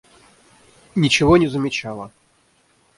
Ничего не замечала.